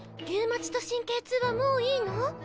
リュウマチと神経痛はもういいの？